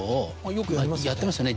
よくやりますよね。